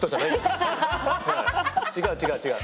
違う違う違う。